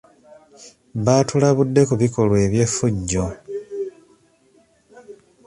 Baatulabudde ku bikolwa eby'effujjo